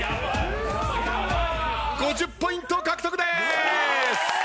５０ポイント獲得です！